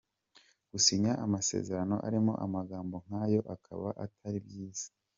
Gusinya amasezerano arimo amagambo nk’ayo akaba atari byiza.